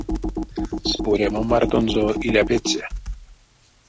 Спорямо мартонзо иля пеце.